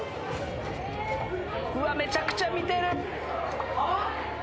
うわめちゃくちゃ見てる。